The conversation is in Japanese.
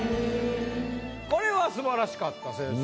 これはすばらしかった先生。